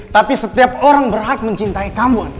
tapi setiap orang berhak mencintai kamu